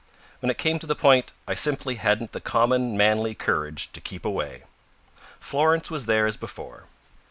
When it came to the point, I simply hadn't the common manly courage to keep away. Florence was there as before.